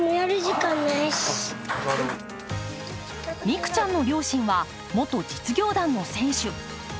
美空ちゃんの両親は、元実業団の選手。